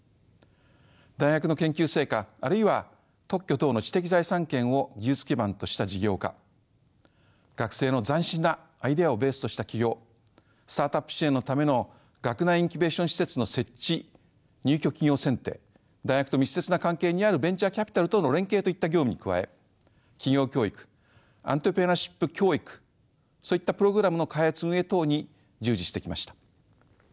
大学の研究成果あるいは特許等の知的財産権を技術基盤とした事業化学生の斬新なアイデアをベースとした起業スタートアップ支援のための学内インキュベーション施設の設置入居企業選定大学と密接な関係にあるベンチャーキャピタルとの連携といった業務に加え起業教育アントレプレナーシップ教育そういったプログラムの開発運営等に従事してきました。